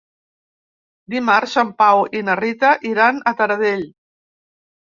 Dimarts en Pau i na Rita iran a Taradell.